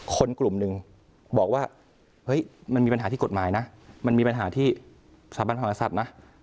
คนกลุ่มหนึ่งบอกว่าเฮ้ยมันมีปัญหาที่กฎหมายนะมันมีปัญหาที่สถาบันพระมหากษัตริย์นะ